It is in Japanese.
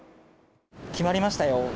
決まりましたよ。